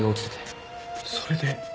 それで？